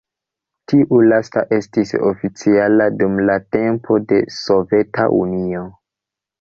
Tiu lasta estis oficiala dum la tempo de Soveta Unio.